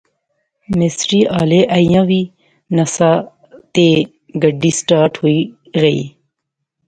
مستری ہالے ایا وی ناسا تے گڈی سٹارٹ ہوئی غئی